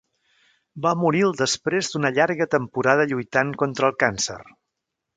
Va morir el després d'una llarga temporada lluitant contra el càncer.